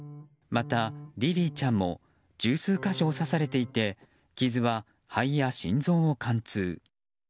またリリィちゃんも十数か所を刺されていて傷は肺や心臓を貫通。